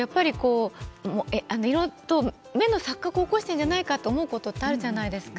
意外と目の錯覚を起こしているのがあるんじゃないかと思うことがあるじゃないですか。